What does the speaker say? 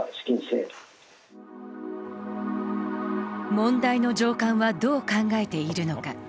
問題の上官はどう考えているのか。